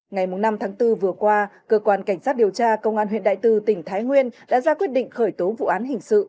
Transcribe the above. ngày năm tháng bốn vừa qua cơ quan cảnh sát điều tra công an huyện đại từ tỉnh thái nguyên đã ra quyết định khởi tố vụ án hình sự